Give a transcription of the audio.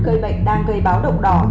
gây bệnh đang gây báo động đỏ